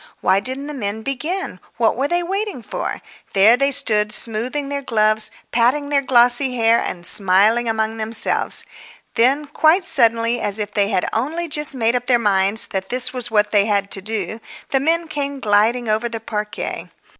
Why didn't the men begin? What were they waiting for? There they stood, smoothing their gloves, patting their glossy hair and smiling among themselves. Then, quite suddenly, as if they had only just made up their minds that that was what they had to do, the men came gliding over the parquet.